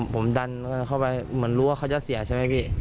ผมดันเข้าไปเหมือนรู้ว่าเขาจะเสียใช่ไหมพี่